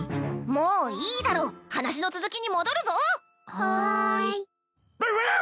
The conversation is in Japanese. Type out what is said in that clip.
もういいだろ話の続きに戻るぞはーいバウワウ！